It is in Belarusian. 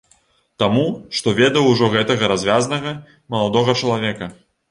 Таму, што ведаў ужо гэтага развязнага маладога чалавека.